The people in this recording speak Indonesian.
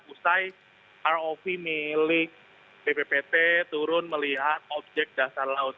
usai rov milik bppt turun melihat objek dasar laut